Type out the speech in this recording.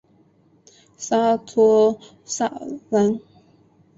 沙托萨兰。